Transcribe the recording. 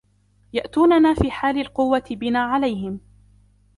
يَأْتُونَنَا فِي حَالِ الْقُوَّةِ بِنَا عَلَيْهِمْ